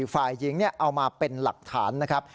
ฝ่ายหญิงเอามาเป็นหลักฐานนะครับ